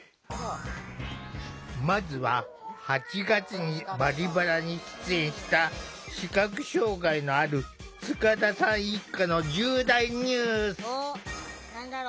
まずは８月に「バリバラ」に出演した視覚障害のある塚田さん一家の重大ニュース。